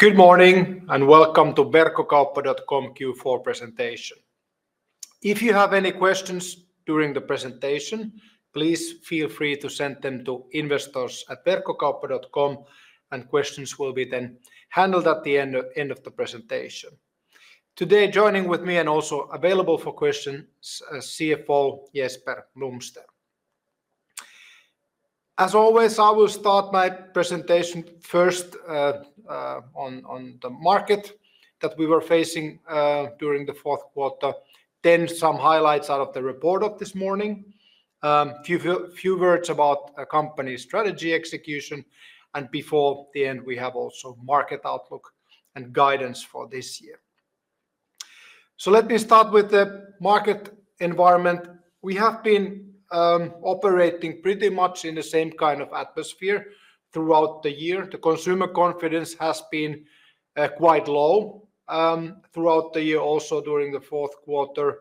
Good morning and welcome to Verkkokauppa.com Q4 presentation. If you have any questions during the presentation, please feel free to send them to investors@verkkokauppa.com, and questions will be then handled at the end of the presentation. Today joining with me and also available for questions is CFO Jesper Blomster. As always, I will start my presentation first on the market that we were facing during the fourth quarter, then some highlights out of the report of this morning, a few words about company strategy execution, and before the end, we have also market outlook and guidance for this year. Let me start with the market environment. We have been operating pretty much in the same kind of atmosphere throughout the year. The consumer confidence has been quite low throughout the year, also during the fourth quarter.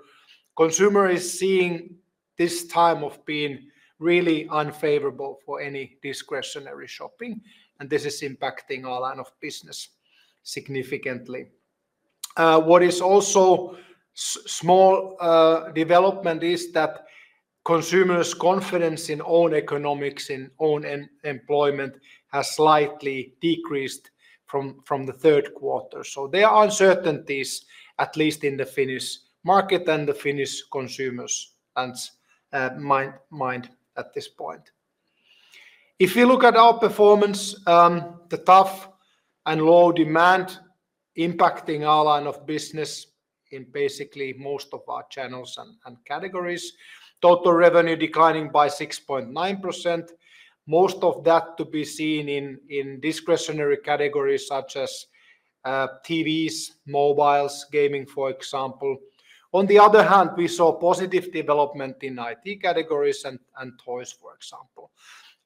Consumer see this time as being really unfavorable for discretionary shopping, and this is impacting our line of business significantly. What is also small development is that consumer's confidence in own economics, in their own employment, has slightly decreased from the third quarter. There are uncertainties, at least in the Finnish market and the Finnish consumer's mind at this point. If we look at our performance, the tough and low demand impacting our line of business in basically most of our channels and categories. Total revenue declining by 6.9%. Most of that to be seen in discretionary categories such as TVs, mobiles, gaming, for example. On the other hand, we saw positive development in IT categories and toys, for example.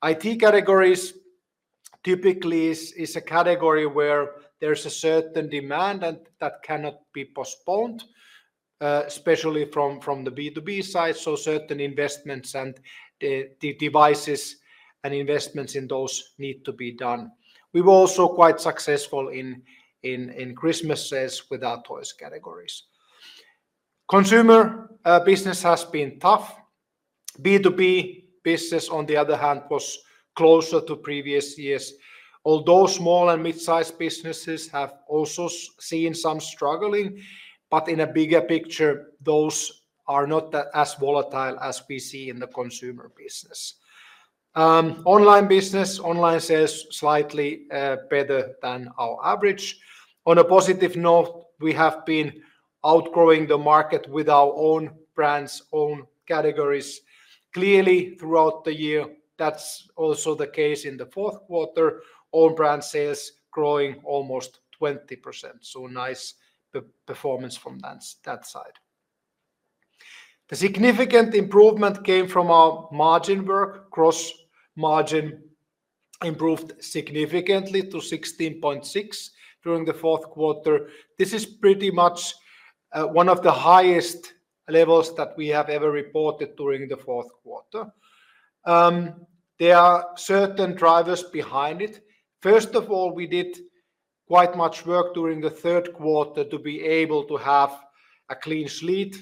IT categories typically is a category where there's a certain demand that cannot be postponed, especially from the B2B side. Certain investments and the devices and investments in those need to be done. We were also quite successful in Christmas sales with our toys categories. Consumer business has been tough. B2B business, on the other hand, was closer to previous years. Although small and mid-sized businesses have also seen some struggling, but in a bigger picture, those are not as volatile as we see in the consumer business. Online business, online sales slightly better than our average. On a positive note, we have been outgrowing the market with our own brands, own categories. Clearly, throughout the year, that's also the case in the fourth quarter, own brand sales growing almost 20%. Nice performance from that side. The significant improvement came from our margin work. Gross margin improved significantly to 16.6% during the fourth quarter. This is pretty much one of the highest levels that we have ever reported during the fourth quarter. There are certain drivers behind it. First of all, we did quite much work during the third quarter to be able to have a clean slate.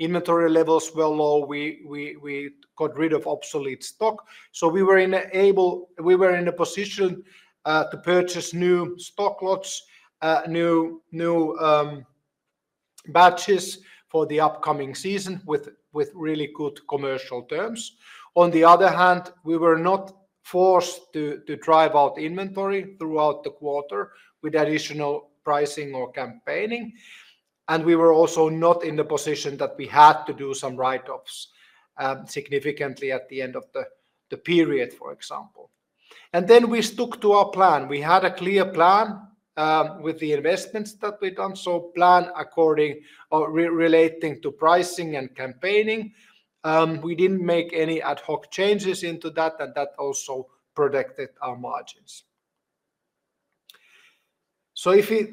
Inventory levels were low. We got rid of obsolete stock. We were in a position to purchase new stock lots, new batches for the upcoming season with really good commercial terms. On the other hand, we were not forced to drive out inventory throughout the quarter with additional pricing or campaigning. We were also not in the position that we had to do some write-offs significantly at the end of the period, for example. We stuck to our plan. We had a clear plan with the investments that we'd done. Plan according relating to pricing and campaigning. We didn't make any ad hoc changes into that, and that also protected our margins. If we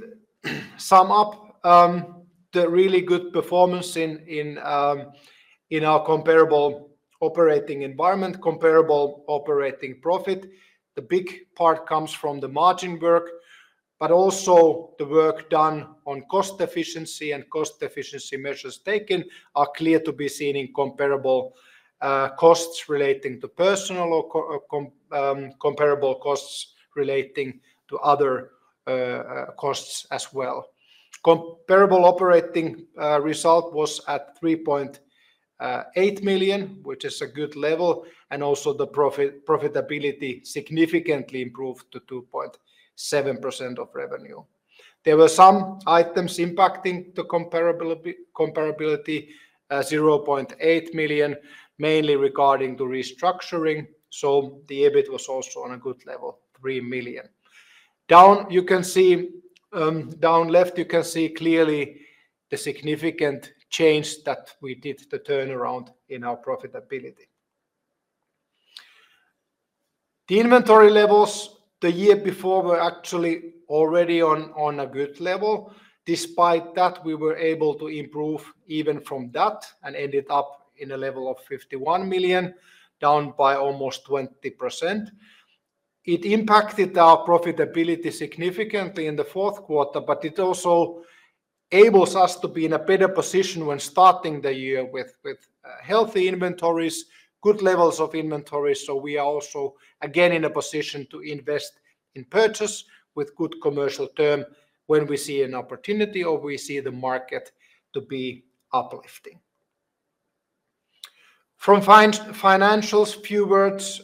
sum up the really good performance in our comparable operating environment, comparable operating profit, the big part comes from the margin work, but also the work done on cost efficiency and cost efficiency measures taken are clear to be seen in comparable costs relating to personnel or comparable costs relating to other costs as well. Comparable operating result was at 3.8 million, which is a good level, and also the profitability significantly improved to 2.7% of revenue. There were some items impacting the comparability, 0.8 million, mainly regarding the restructuring. The EBIT was also on a good level, 3 million. Down you can see down left, you can see clearly the significant change that we did, the turnaround in our profitability. The inventory levels the year before were actually already on a good level. Despite that, we were able to improve even from that and ended up in a level of 51 million, down by almost 20%. It impacted our profitability significantly in the fourth quarter, but it also enables us to be in a better position when starting the year with healthy inventories, good levels of inventory. We are also again in a position to invest in purchase with good commercial term when we see an opportunity or we see the market to be uplifting. From financials, a few words.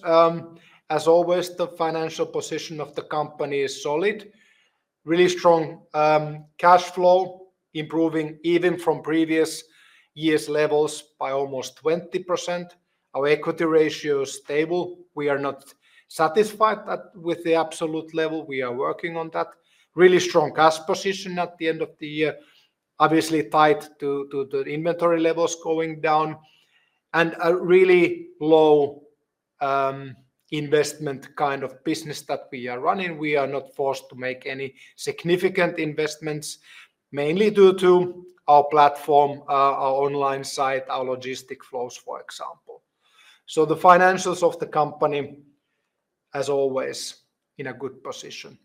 As always, the financial position of the company is solid. Really strong cash flow, improving even from previous year's levels by almost 20%. Our equity ratio is stable. We are not satisfied with the absolute level. We are working on that. Really strong cash position at the end of the year. Obviously tied to the inventory levels going down and a really low investment kind of business that we are running. We are not forced to make any significant investments, mainly due to our platform, our online site, our logistic flows, for example. The financials of the company, as always, in a good position.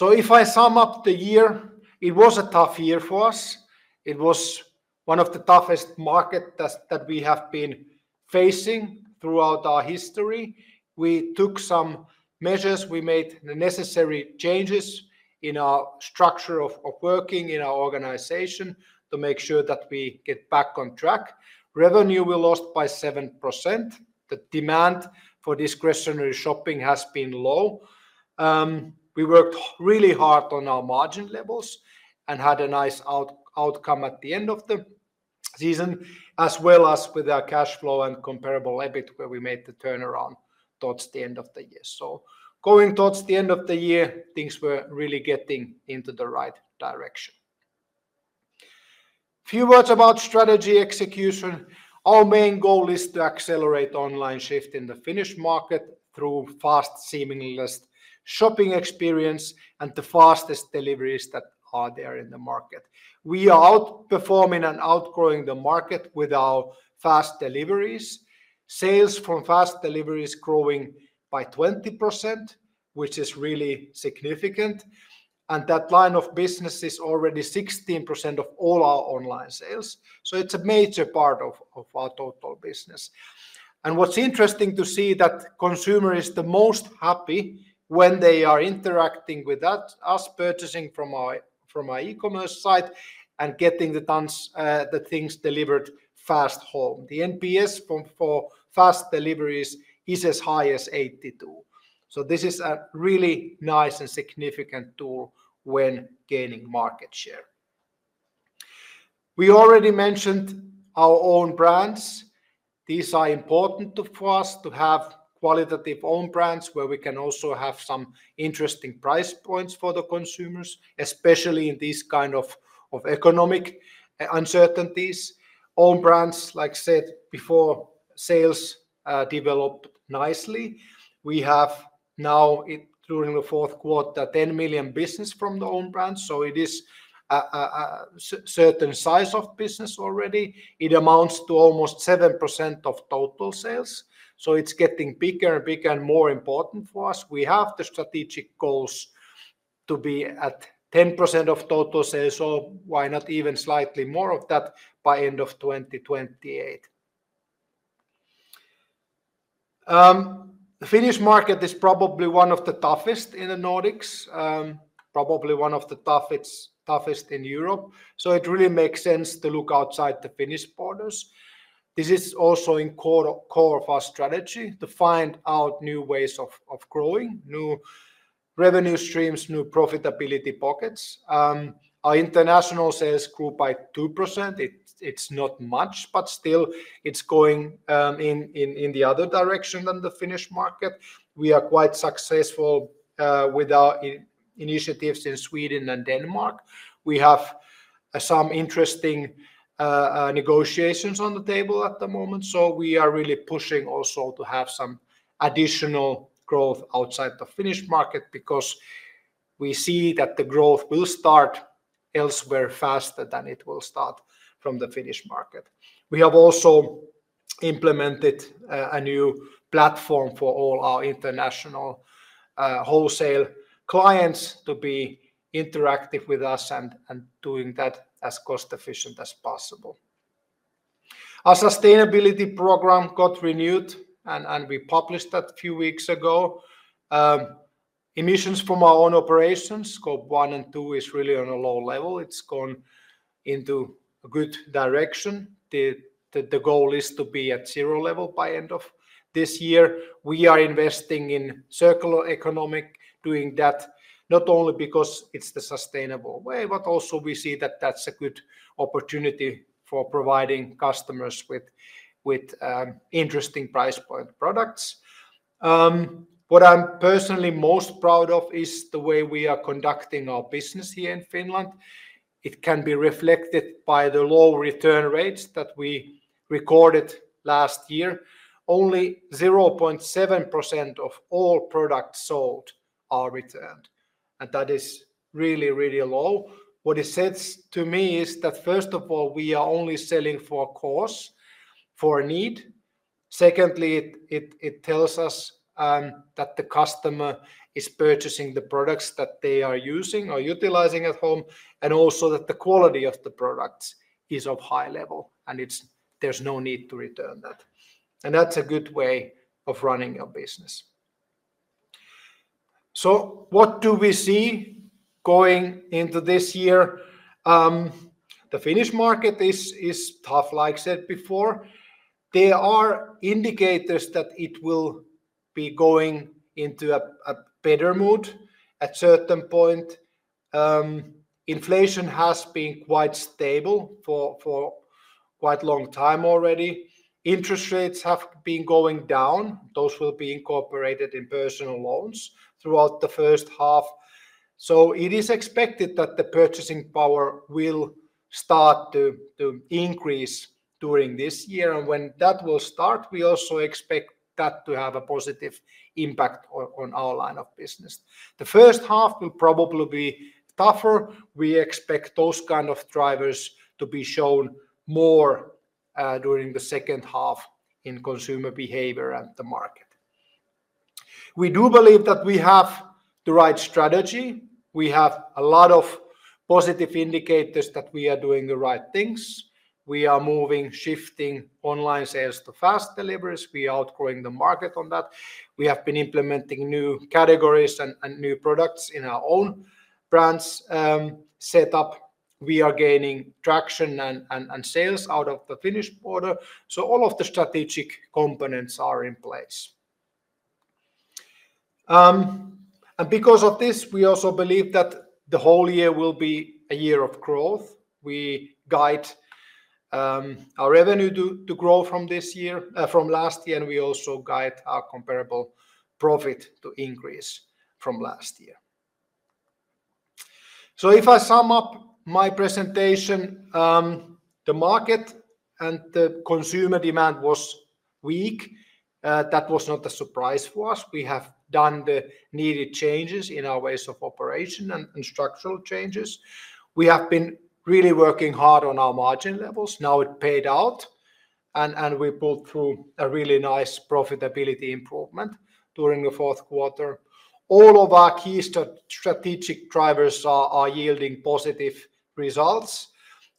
If I sum up the year, it was a tough year for us. It was one of the toughest markets that we have been facing throughout our history. We took some measures. We made the necessary changes in our structure of working in our organization to make sure that we get back on track. Revenue we lost by 7%. The demand for discretionary shopping has been low. We worked really hard on our margin levels and had a nice outcome at the end of the season, as well as with our cash flow and comparable EBIT where we made the turnaround towards the end of the year. Going towards the end of the year, things were really getting into the right direction. A few words about strategy execution. Our main goal is to accelerate online shift in the Finnish market through fast seamless shopping experience and the fastest deliveries that are there in the market. We are outperforming and outgrowing the market with our fast deliveries. Sales from fast deliveries growing by 20%, which is really significant. That line of business is already 16% of all our online sales. It is a major part of our total business. What's interesting to see is that the consumer is the most happy when they are interacting with us, purchasing from our e-commerce site and getting the things delivered fast home. The NPS for fast deliveries is as high as 82. This is a really nice and significant tool when gaining market share. We already mentioned our own brands. These are important for us to have qualitative own brands where we can also have some interesting price points for the consumers, especially in these kinds of economic uncertainties. Own brands, like I said before, sales developed nicely. We have now, during the fourth quarter, 10 million business from the own brands. It is a certain size of business already. It amounts to almost 7% of total sales. It is getting bigger and bigger and more important for us. We have the strategic goals to be at 10% of total sales, or why not even slightly more of that by end of 2028. The Finnish market is probably one of the toughest in the Nordics, probably one of the toughest in Europe. It really makes sense to look outside the Finnish borders. This is also in core of our strategy to find out new ways of growing, new revenue streams, new profitability pockets. Our international sales grew by 2%. It's not much, but still it's going in the other direction than the Finnish market. We are quite successful with our initiatives in Sweden and Denmark. We have some interesting negotiations on the table at the moment. We are really pushing also to have some additional growth outside the Finnish market because we see that the growth will start elsewhere faster than it will start from the Finnish market. We have also implemented a new platform for all our international wholesale clients to be interactive with us and doing that as cost-efficient as possible. Our sustainability program got renewed, and we published that a few weeks ago. Emissions from our own operations, scope 1 and 2, is really on a low level. It's gone into a good direction. The goal is to be at zero level by end of this year. We are investing in circular economy, doing that not only because it's the sustainable way, but also we see that that's a good opportunity for providing customers with interesting price point products. What I'm personally most proud of is the way we are conducting our business here in Finland. It can be reflected by the low return rates that we recorded last year. Only 0.7% of all products sold are returned, and that is really, really low. What it says to me is that, first of all, we are only selling for a cause, for a need. Secondly, it tells us that the customer is purchasing the products that they are using or utilizing at home, and also that the quality of the products is of high level, and there's no need to return that. That is a good way of running your business. What do we see going into this year? The Finnish market is tough, like I said before. There are indicators that it will be going into a better mood at a certain point. Inflation has been quite stable for quite a long time already. Interest rates have been going down. Those will be incorporated in personal loans throughout the first half. It is expected that the purchasing power will start to increase during this year. When that will start, we also expect that to have a positive impact on our line of business. The first half will probably be tougher. We expect those kinds of drivers to be shown more during the second half in consumer behavior and the market. We do believe that we have the right strategy. We have a lot of positive indicators that we are doing the right things. We are moving, shifting online sales to fast deliveries. We are outgrowing the market on that. We have been implementing new categories and new products in our own brands setup. We are gaining traction and sales out of the Finnish border. All of the strategic components are in place. Because of this, we also believe that the whole year will be a year of growth. We guide our revenue to grow from last year, and we also guide our comparable profit to increase from last year. If I sum up my presentation, the market and the consumer demand was weak. That was not a surprise for us. We have done the needed changes in our ways of operation and structural changes. We have been really working hard on our margin levels. Now it paid out, and we pulled through a really nice profitability improvement during the fourth quarter. All of our key strategic drivers are yielding positive results.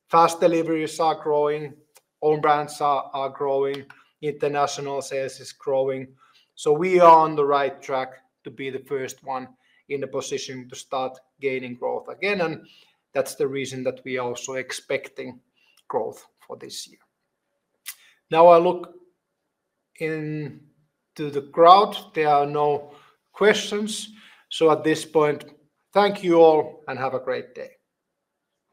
Fast deliveries are growing. Own brands are growing. International sales is growing. We are on the right track to be the first one in the position to start gaining growth again. That's the reason that we are also expecting growth for this year. Now I look into the crowd. There are no questions. At this point, thank you all and have a great day.